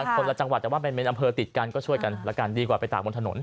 คนละจังหวัดแต่ว่าเป็นอำเภอติดกันก็ช่วยกันแล้วกันดีกว่าไปตากบนถนน